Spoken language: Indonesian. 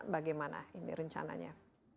bagaimana ini rencananya